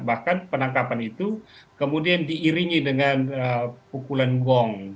bahkan penangkapan itu kemudian diiringi dengan pukulan gong